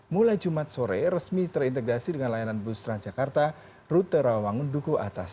mulai jumat sore resmi terintegrasi dengan layanan bus transjakarta rute rawangun duku atas